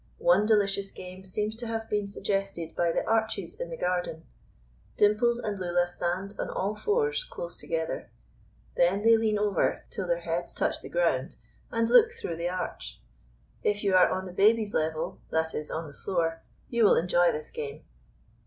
One delicious game seems to have been suggested by the arches in the garden. Dimples and Lulla stand on all fours close together. Then they lean over till their heads touch the ground, and look through the arch. If you are on the babies' level (that is on the floor), you will enjoy this game.